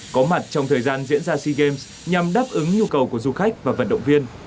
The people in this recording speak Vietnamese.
có mặt trong thời gian diễn ra sea games nhằm đáp ứng nhu cầu của du khách và vận động viên